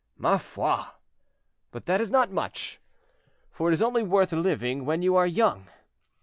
"Ma foi! but that is not much, for it is only worth living when you are young.